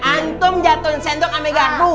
anto jatuhin sendok sama gadu